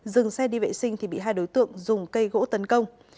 dừng xe đi vệ sinh thì bị hai đối tượng dùng cây gỗ tấn công